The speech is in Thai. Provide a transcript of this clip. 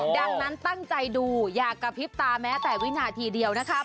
ดังนั้นตั้งใจดูอย่ากระพริบตาแม้แต่วินาทีเดียวนะครับ